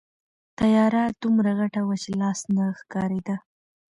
تیاره دومره غټه وه چې لاس نه ښکارېده.